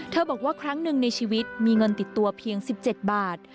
บอกว่าครั้งหนึ่งในชีวิตมีเงินติดตัวเพียง๑๗บาท